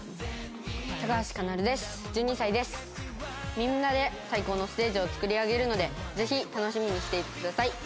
みんなで最高のステージを作り上げるのでぜひ楽しみにしていてください！